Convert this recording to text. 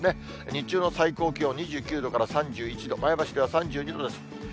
日中の最高気温、２９度から３１度、前橋では３２度です。